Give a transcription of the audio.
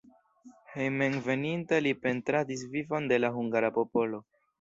Hejmenveninta li pentradis vivon de la hungara popolo.